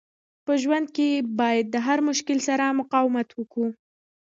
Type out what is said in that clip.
په ژوند کښي باید د هر مشکل سره مقاومت وکو.